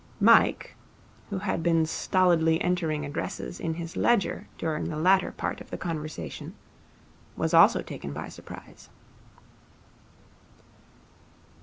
Mike, who had been stolidly entering addresses in his ledger during the latter part of the conversation, was also taken by surprise.